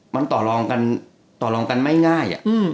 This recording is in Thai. มันตอบรองกันไม่ง่าย